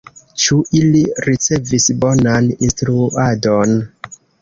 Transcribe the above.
Ĉu ili ricevis bonan instruadon?